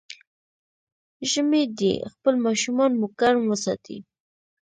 ژمی دی، خپل ماشومان مو ګرم وساتئ.